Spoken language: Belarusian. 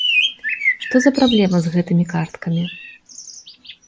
Што за праблема з гэтымі карткамі?